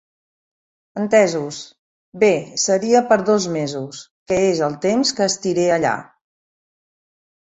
Entesos, bé seria per dos mesos, que és el temps que estiré allà.